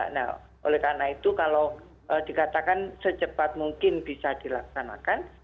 nah oleh karena itu kalau dikatakan secepat mungkin bisa dilaksanakan